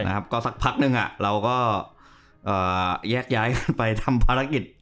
นะครับก็สักพักหนึ่งอ่ะเราก็เอ่อแยกย้ายกันไปทำภารกิจ